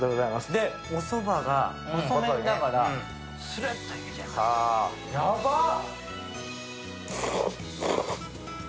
おそばが細麺だからするっといけちゃう、ヤバっ！